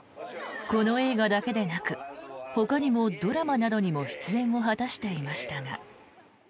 この映画だけでなくほかにもドラマなどにも出演を果たしていましたが。